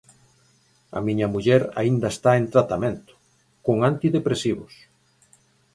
A miña muller aínda está en tratamento, con antidepresivos.